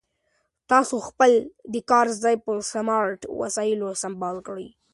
تاسو خپل د کار ځای په سمارټ وسایلو سمبال کړئ.